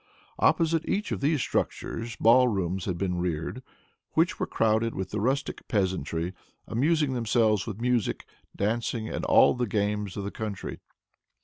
Opposite each of these structures ball rooms had been reared, which were crowded with the rustic peasantry, amusing themselves with music, dancing and all the games of the country.